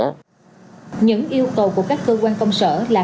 những yêu cầu của các cơ quan công sở là